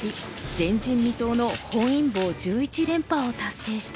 前人未到の本因坊１１連覇を達成した。